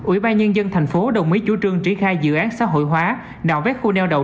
ủy ban nhân dân tp hcm đồng ý chủ trương tri khai dự án xã hội hóa nạo vét khu neo đậu